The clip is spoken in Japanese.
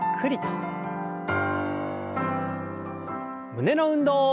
胸の運動。